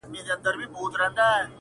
o میکده کي به له ډکه جامه ولاړ سم,